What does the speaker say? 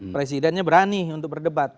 presidennya berani untuk berdebat